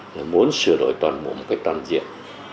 thì muốn sửa đổi toàn bộ một cách toàn diện